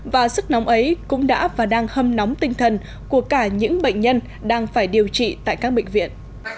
và sức nóng ấy cũng đã và đang hâm nóng tinh thần của cả những bệnh nhân đang phải điều trị tại các bệnh viện